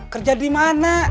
kerja di mana